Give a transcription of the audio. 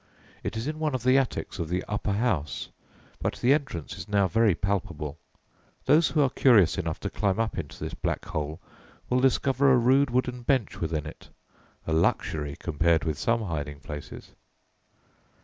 It is in one of the attics of "the Upper House," but the entrance is now very palpable. Those who are curious enough to climb up into this black hole will discover a rude wooden bench within it a luxury compared with some hiding places!